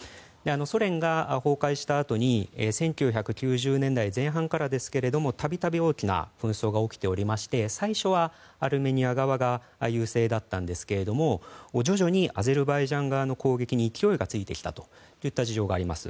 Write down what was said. ソ連が崩壊したあとの１９９０年代前半からですけれども度々、大きな紛争が起きておりまして最初は、アルメニア側が優勢だったんですけども徐々にアゼルバイジャン側の攻撃に勢いがついてきたといった事情があります。